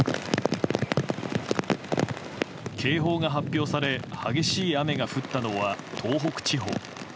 警報が発表され激しい雨が降ったのは東北地方。